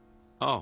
あ。